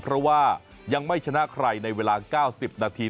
เพราะว่ายังไม่ชนะใครในเวลา๙๐นาที